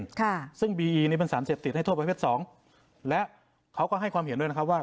โอเคครับซึ่งบีอีนี่เป็นสารเสพติดให้โทษเพศสองและเขาก็ให้ความเห็นด้วยนะคะว่า